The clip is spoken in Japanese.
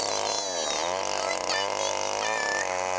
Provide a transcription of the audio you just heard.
うーたんでしたフフ。